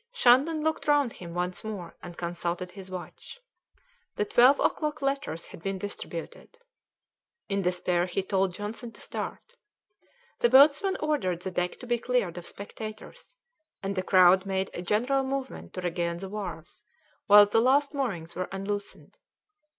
Shandon looked round him once more and consulted his watch. The twelve o'clock letters had been distributed. In despair he told Johnson to start. The boatswain ordered the deck to be cleared of spectators, and the crowd made a general movement to regain the wharves while the last moorings were unloosed.